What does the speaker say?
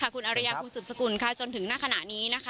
คุณอริยาคุณสุดสกุลจนถึงหน้าขณะนี้